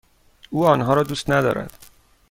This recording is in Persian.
او آنها را دوست ندارد.